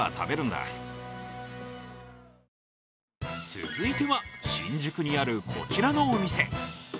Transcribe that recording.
続いては新宿にあるこちらのお店。